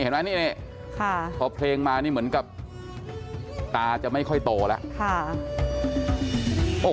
เห็นไหมนี่พอเพลงมานี่เหมือนกับตาจะไม่ค่อยโตแล้ว